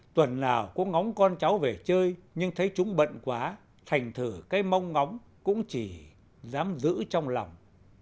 tuần nào có ngóng con cháu về chơi nhưng thấy chúng bận quá thành thử cái mong ngóng cũng chỉ dám giữ trong lòng